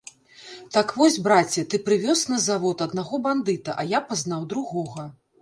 Так вось, браце, ты прывёз на завод аднаго бандыта, а я пазнаў другога.